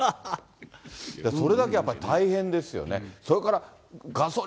それだけやっぱり大変ですよね。